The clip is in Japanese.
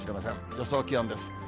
予想気温です。